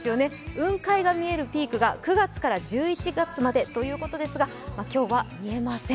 雲海が見えるピークが９月から１１月までということですが、今日は見えません。